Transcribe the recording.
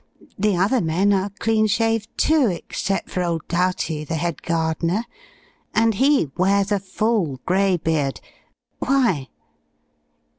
The other men are clean shaved, too, except for old Doughty, the head gardener, and he wears a full, gray beard. Why?"